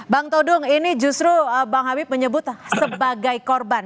bang todung ini justru bang habib menyebut sebagai korban